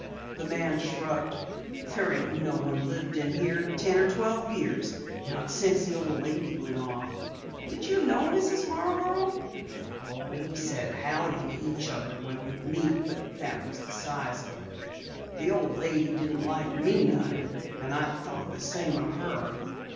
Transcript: the man shrugged. "There ain't no one lived here in ten or twelve years. Not since the old lady went off." "Did you know Mrs. Marborough?" "Oh, we said howdy to each other when we'd meet, but that was the size of it. The old lady didn't like me none and I thought the same of her.